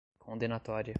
condenatória